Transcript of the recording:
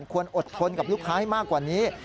ควรอดทนกับลูกค้าให้มากกว่านี้